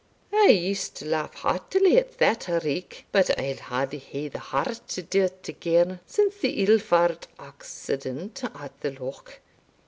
"I used to laugh heartily at that reik; but I'll hardly hae the heart to do't again, since the ill far'd accident at the Loch.